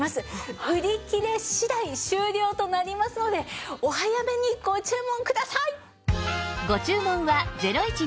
売り切れ次第終了となりますのでお早めにご注文ください。